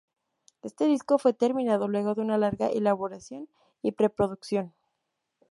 Este disco fue terminado luego de una larga elaboración y preproducción.